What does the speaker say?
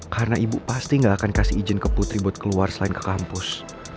karena ibu pasti gak akan kasih izin ke putri buat keluar selain ke kampus